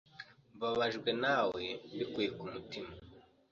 Mbabajwe nawe mbikuye ku mutima.